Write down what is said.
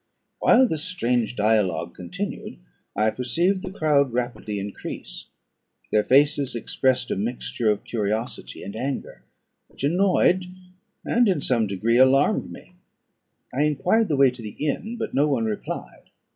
While this strange dialogue continued, I perceived the crowd rapidly increase. Their faces expressed a mixture of curiosity and anger, which annoyed, and in some degree alarmed me. I enquired the way to the inn; but no one replied.